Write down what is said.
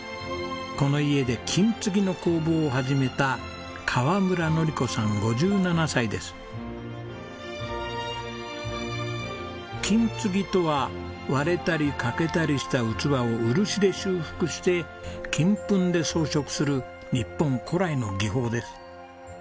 この家で金継ぎの工房を始めた金継ぎとは割れたり欠けたりした器を漆で修復して金粉で装飾する日本古来の技法です。